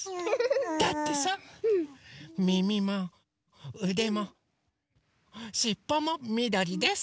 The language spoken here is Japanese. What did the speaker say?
だってさみみもうでもしっぽもみどりです。